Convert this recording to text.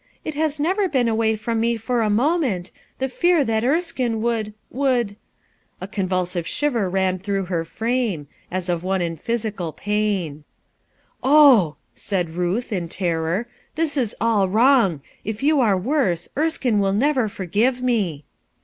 "It s never been away from me for a moment, the fear that Erskine would — would— " A convulsive shiver ran through her frame, as of one in physical pain. "Oh!" said Ruth, in terror, "this is all wrong ! If you are worse, Erskine will never forgive me."